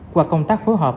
qua công tác phối hợp